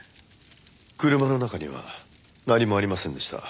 車の中には何もありませんでした。